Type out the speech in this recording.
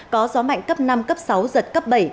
có gió mạnh cấp năm cấp sáu giật cấp bảy